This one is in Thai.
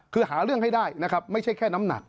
คือหาเรื่องให้ได้นะครับไม่ใช่แค่น้ำหนัก